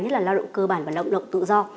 nhất là lao động cơ bản và lao động tự do